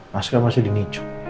pasnya masih dini